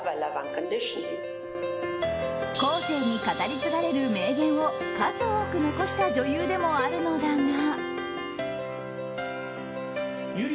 後世に語り継がれる名言を数多く残した女優でもあるのだが。